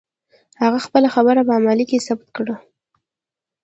هغه خپله خبره په عمل کې ثابته کړه.